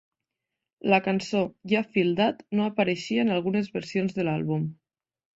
La cançó "Ya Feel Dat" no apareixia en algunes versions de l'àlbum.